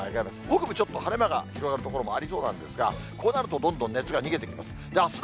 北部ちょっと晴れ間が広がる所もありそうなんですが、こうなるとどんどん熱が逃げていきます。